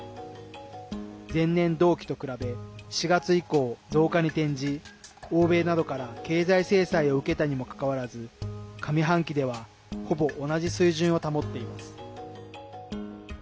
前年同期と比べ今年４月以降、増加に転じ欧米などから経済制裁を受けたにもかかわらず上半期ではほぼ同じ水準を保っています。